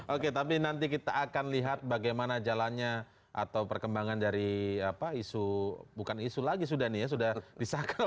oke tapi nanti kita akan lihat bagaimana jalannya atau perkembangan dari apa isu bukan isu lagi sudah nih ya sudah disahkan